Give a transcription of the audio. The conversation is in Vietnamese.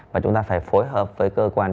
và chúng ta phải phối hợp với cơ quan